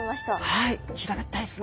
はい平べったいですね。